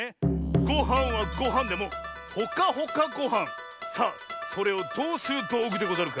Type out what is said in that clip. ごはんはごはんでもほかほかごはんさあそれをどうするどうぐでござるか？